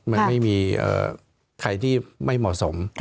มันไม่มีใครที่ไม่เหมาะสม